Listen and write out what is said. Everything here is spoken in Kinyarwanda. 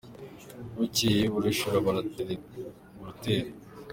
bukeye barashibura baratera